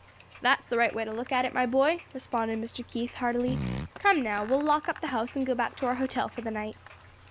"That's the right way to look at it, my boy," responded Mr. Keith, heartily. "Come now, we'll lock up the house and go back to our hotel for the night."